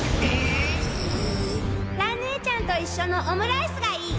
蘭ねえちゃんと一緒のオムライスがいい